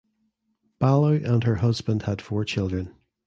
Ballou and her husband had four children.